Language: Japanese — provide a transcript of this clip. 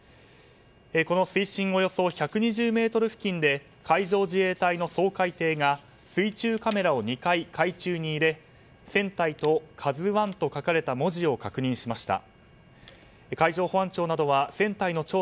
この水深およそ１２０ｍ付近で海上自衛隊の掃海艇が水中カメラを２回、海中に入れ船体と「ＫＡＺＵ１」と書かれた文字を確認しました。